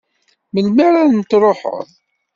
Melmi ara n-truḥeḍ?